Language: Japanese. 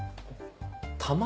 卵？